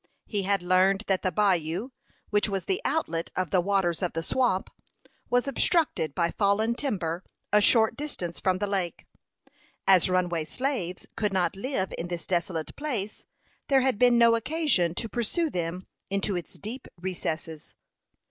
He had learned that the bayou, which was the outlet of the waters of the swamp, was obstructed by fallen timber a short distance from the lake. As runaway slaves could not live in this desolate place, there had been no occasion to pursue them into its deep recesses.